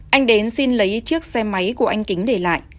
anh đến xin lấy chiếc xe máy của anh kính để lại